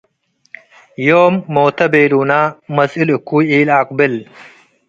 ዮም ሞታ ቤሉና - መስእል እኩይ ኢለአቅብል